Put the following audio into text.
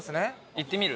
いってみる？